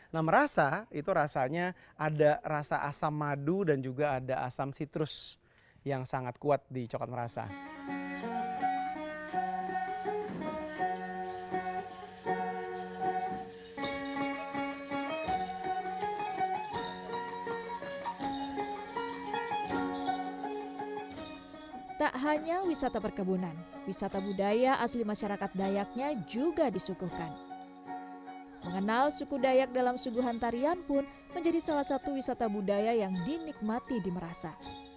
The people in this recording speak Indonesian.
nah merasa itu rasanya ada rasa asam madu dan juga ada asam sitrus yang sangat kuat di coklat merasa